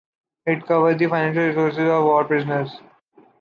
It covers the financial resources of war prisoners.